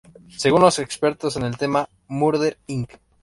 Según los expertos en el tema, "Murder Inc.